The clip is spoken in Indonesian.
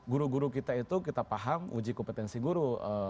guru guru kita itu kita paham uji kompetensi guru